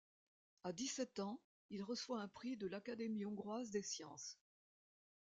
À dix-sept ans, il reçoit un prix de l'Académie hongroise des sciences.